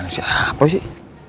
mana siapa sih